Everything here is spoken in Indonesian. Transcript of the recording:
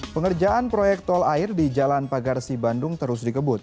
pengerjaan proyek tol air di jalan pagarsi bandung terus dikebut